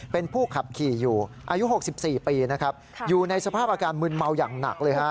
เป็นผู้ขับขี่อยู่อายุ๖๔ปีนะครับอยู่ในสภาพอาการมึนเมาอย่างหนักเลยฮะ